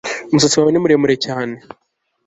umusatsi wawe ni muremure cyane